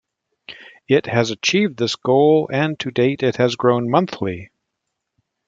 It has achieved this goal and to date it has grown monthly.